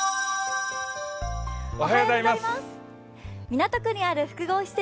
港区にある複合施設